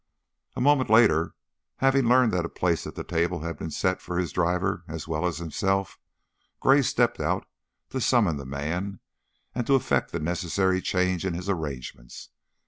A moment later, having learned that a place at the table had been set for his driver as well as himself, Gray stepped out to summon the man and to effect the necessary change in his arrangements.